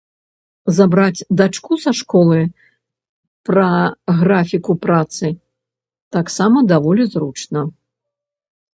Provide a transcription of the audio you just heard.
Забраць дачку са школы пра графіку працы таксама даволі зручна.